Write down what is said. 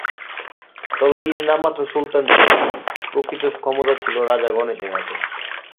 তবে তিনি নামমাত্র সুলতান ছিলেন, প্রকৃত ক্ষমতা ছিল রাজা গণেশের হাতে।